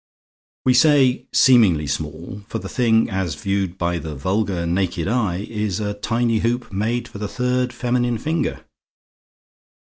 We say, seemingly small; for the thing, as viewed by the vulgar, naked eye, is a tiny hoop made for the third feminine finger.